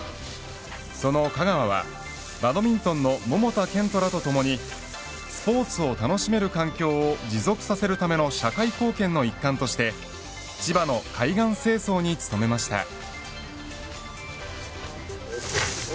その香川はバドミントンの桃田賢斗らとともにスポーツを楽しめる環境を持続させるための社会貢献の一環として千葉の海岸清掃に努めました。